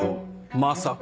まさか。